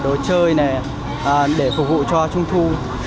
đồ chơi này để phục vụ cho trung thu